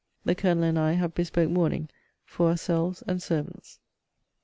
The Colonel and I have bespoke mourning for our selves and servants.